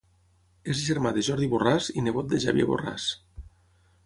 És germà de Jordi Borràs i nebot de Xavier Borràs.